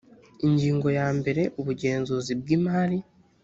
ingingo yambere ubugenzuzi bw imari